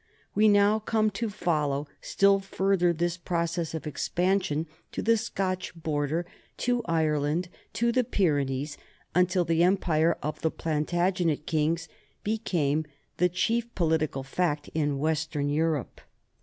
We now come to follow still further this process of ex pansion, to the Scotch border, to Ireland, to the Pyre nees, until the empire of the Plantagenet kings became the chief political fact in western Europe.